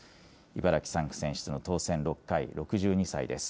茨城３区選出の当選６回、６２歳です。